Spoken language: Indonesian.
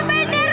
aduh gimana ya